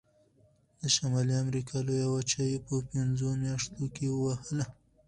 د شمالي امریکا لویه وچه یې په پنځو میاشتو کې ووهله.